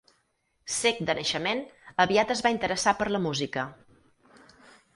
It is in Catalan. Cec de naixement, aviat es va interessar per la música.